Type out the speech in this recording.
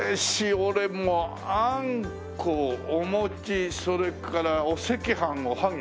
俺もうあんこお餅それからお赤飯おはぎ